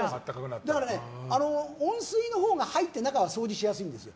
温水のほうが入って中を掃除しやすいんですよ。